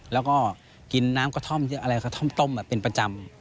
แล้วก็กินน้ำกระท่อมเยอะอะไรกระท่อมต้มเป็นประจำ